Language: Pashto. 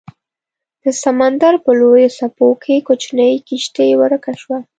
د سمندر په لویو څپو کې کوچنۍ کیشتي ورکه شوه